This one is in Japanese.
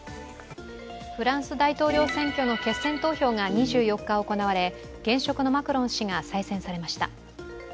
フランス大統領選挙の決選投票が２４日行われ、現職のマクロン氏が再選されました。